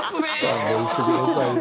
勘弁してくださいよ。